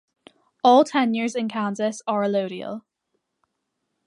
All tenures in Kansas are allodial.